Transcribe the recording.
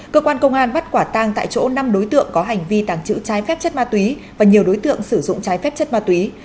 cơ quan công an bắt quả tang tại chỗ năm đối tượng có hành vi tàng trữ trái phép chất ma túy và nhiều đối tượng sử dụng trái phép chất ma túy